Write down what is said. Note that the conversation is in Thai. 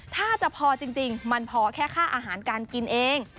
ถ้าจะพอจริงมันพอแค่ค่าอาหารการกินเอง